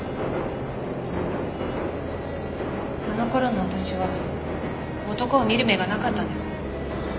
あの頃の私は男を見る目がなかったんです。